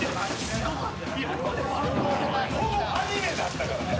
ほぼアニメだったから。